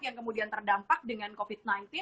yang kemudian terdampak dengan covid sembilan belas